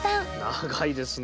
長いですね